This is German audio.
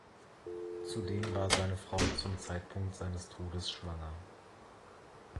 Zudem war seine Frau zum Zeitpunkt seines Todes schwanger.